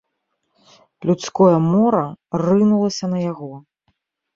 Людское мора рынулася на яго.